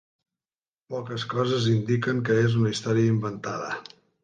Poques coses indiquen que és una història inventada.